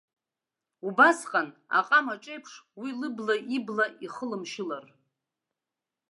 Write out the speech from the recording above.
Убасҟан, аҟама аҿы еиԥш, уи лыбла ибла ихылымшьылар.